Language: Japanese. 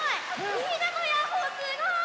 みんなのヤッホーすごい！